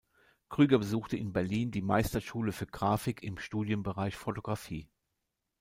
Krüger besuchte in Berlin die Meisterschule für Graphik im Studienbereich Fotografie.